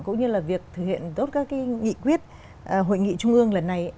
cũng như là việc thực hiện tốt các cái nghị quyết hội nghị trung ương lần này